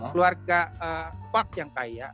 keluarga park yang kaya